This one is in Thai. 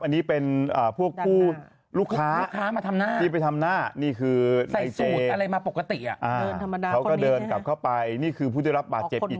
อันนี้เป็นพวกคู่ลูกค้าที่ไปทำหน้านี่คือใส่ซูอุดอะไรมาปกติอ่ะเดินเดินกลับเข้าไปนี่คือผู้จะรับบาดเจ็บอีก